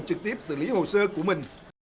trực tiếp xử lý hồ sơ của mình